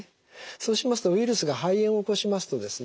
そうしますとウイルスが肺炎を起こしますとですね